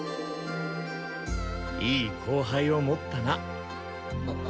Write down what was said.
いい後輩を持ったな。